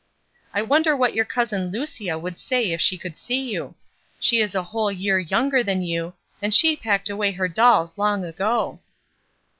''I wonder what your cousin Lucia would say if she could see you. She is a whole year younger than you, and she packed away her dolls long ago."